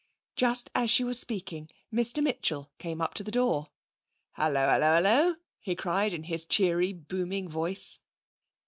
Just as she was speaking Mr Mitchell came up to the door. 'Hallo, hallo, hallo!' he cried in his cheery, booming voice.